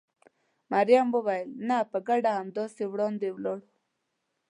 مريم وویل: نه، په ګډه همداسې وړاندې ولاړو.